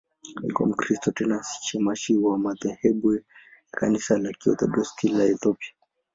Alikuwa Mkristo, tena shemasi wa madhehebu ya Kanisa la Kiorthodoksi la Ethiopia.